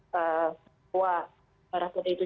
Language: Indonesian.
bahwa raput itu